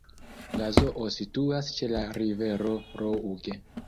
La zoo situas ĉe la Rivero Rouge.